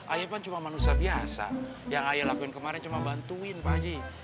ayah kan cuma manusia biasa yang ayah lakuin kemarin cuma bantuin pak haji